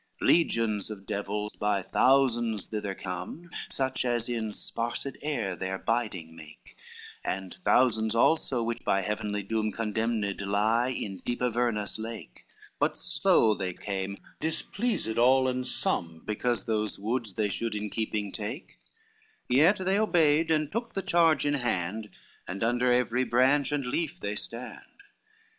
XI Legions of devils by thousands thither come, Such as in sparsed air their biding make, And thousands also which by Heavenly doom Condemned lie in deep Avernus lake, But slow they came, displeased all and some Because those woods they should in keeping take, Yet they obeyed and took the charge in hand, And under every branch and leaf they stand.